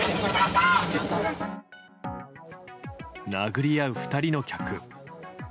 殴り合う２人の客。